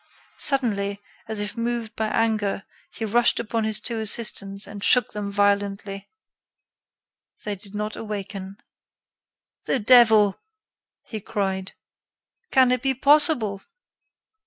Suddenly, as if moved by anger, he rushed upon his two assistants and shook them violently. They did not awaken. "The devil!" he cried. "Can it be possible?"